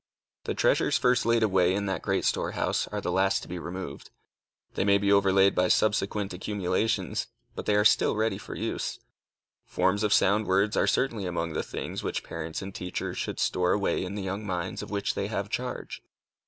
The treasures first laid away in that great storehouse are the last to be removed. They may be overlaid by subsequent accumulations, but they are still ready for use. Forms of sound words are certainly among the things which parents and teachers should store away in the young minds of which they have charge.